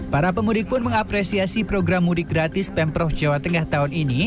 para pemudik pun mengapresiasi program mudik gratis pemprov jawa tengah tahun ini